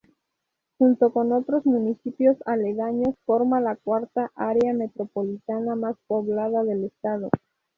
Junto con otros municipios aledaños forma la cuarta área metropolitana más poblada del estado.